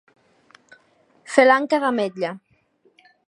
Fer l'anca d'ametlla.